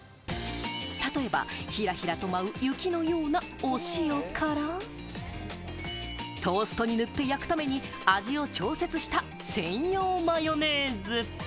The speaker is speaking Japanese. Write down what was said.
例えば、ヒラヒラと舞う雪のようなお塩から、トーストに塗って焼くために味を調節した専用マヨネーズ。